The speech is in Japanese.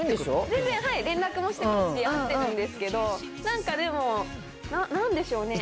全然、連絡もしてますし、会ってるんですけど、なんかでも、なんでしょうね。